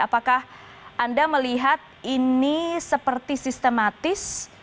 apakah anda melihat ini seperti sistematis